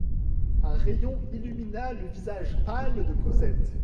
Un rayon illumina le visage pâle de Cosette.